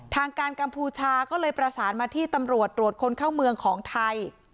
ทางการกัมพูชาก็เลยประสานมาที่ตำรวจตรวจคนเข้าเมืองของไทย